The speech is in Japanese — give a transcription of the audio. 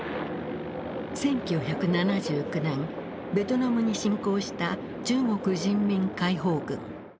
１９７９年ベトナムに侵攻した中国人民解放軍。